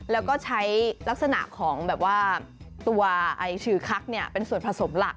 แล้วก็ใช้ลักษณะของแบบว่าตัวฉือคักเป็นส่วนผสมหลัก